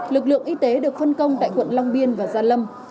lực lượng y tế được phân công tại quận long biên và gia lâm